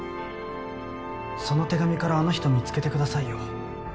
その手紙からあの人見つけて下さいよ。